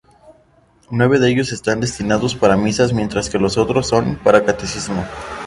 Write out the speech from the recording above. Nueve de ellos están destinados para misas, mientras que los otros son para catecismo.